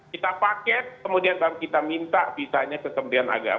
kita paket kemudian kita minta visanya ke kementerian agama